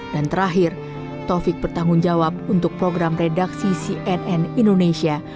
dan terakhir taufik bertanggung jawab untuk program redaksi cnn indonesia